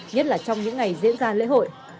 nhất là trong những ngày diễn ra lễ hội